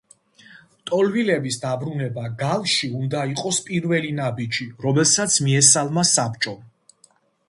ლტოლვილების დაბრუნება გალში, უნდა იყოს პირველი ნაბიჯი, რომელსაც მიესალმა საბჭომ.